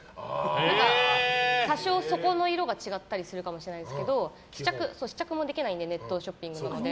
だから多少、底の色が違ったりするかもしれないですけど試着もできないのでネットショッピングなので。